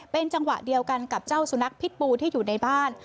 เป็นจังหวะเดียวกันกับเจ้าสุนัขพิษบูที่อยู่ในบ้าน